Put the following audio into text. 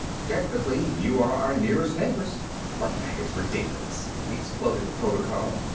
"Technically, you are our nearest neighbors." "But that is ridiculous!" exploded Protocol.